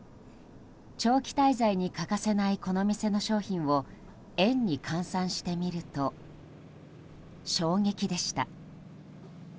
長期滞在に欠かせないこの店の商品を円に換算してみると衝撃でした。